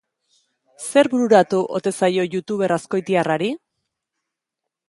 Zer bururatu ote zaio youtuber azkoitiarrari?